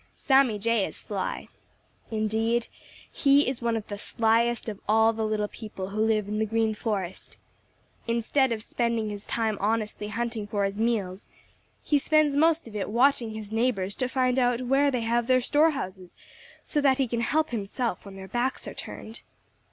Sammy Jay is sly. Indeed, he is one of the slyest of all the little people who live in the Green Forest. Instead of spending his time honestly hunting for his meals, he spends most of it watching his neighbors to find out where they have their store houses, so that he can help himself when their backs are turned.